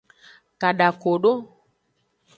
Kadakodo.